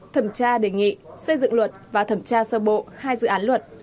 thẩm tra đề nghị xây dựng luật và thẩm tra sơ bộ hai dự án luật